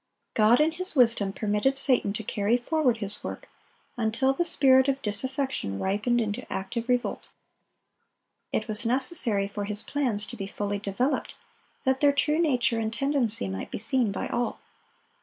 God in His wisdom permitted Satan to carry forward his work, until the spirit of disaffection ripened into active revolt. It was necessary for his plans to be fully developed, that their true nature and tendency might be seen by all.